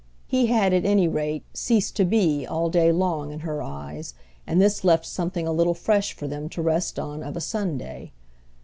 He had at any rate ceased to be all day long in her eyes, and this left something a little fresh for them to rest on of a Sunday.